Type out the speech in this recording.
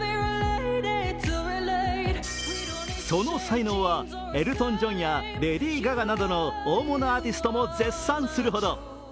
その才能はエルトン・ジョンやレディー・ガガなどの大物アーティストも絶賛するほど。